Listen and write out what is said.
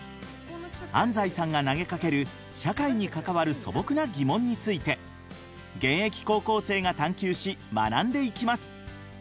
安斉さんが投げかける社会に関わる素朴な疑問について現役高校生が探究し学んでいきます。